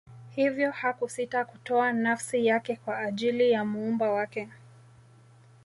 hivyo hakusita kutoa nafsi yake kwa ajili ya muumba wake